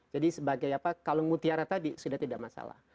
jadi sebagai apa kalung mutiara tadi sudah tidak masalah